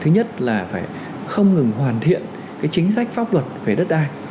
thứ nhất là phải không ngừng hoàn thiện cái chính sách pháp luật về đất ai